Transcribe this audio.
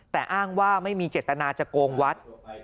แต่อ้างว่าไม่มีเจตนาจะโกงวัด